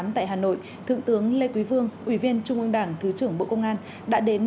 tại hà nội thượng tướng lê quý vương ủy viên trung ương đảng thứ trưởng bộ công an đã đến